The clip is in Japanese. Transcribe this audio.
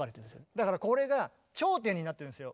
だからこれが頂点になってるんですよ